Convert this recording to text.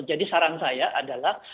jadi saran saya adalah